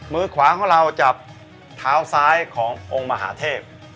มือขวาของเราจับเท้าซ้ายขององค์มหาเทพ